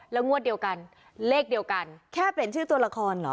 งวดเดียวกันเลขเดียวกันแค่เปลี่ยนชื่อตัวละครเหรอ